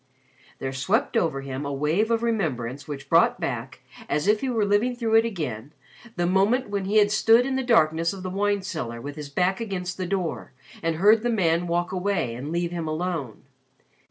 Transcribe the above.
There swept over him a wave of remembrance which brought back, as if he were living through it again, the moment when he had stood in the darkness of the wine cellar with his back against the door and heard the man walk away and leave him alone.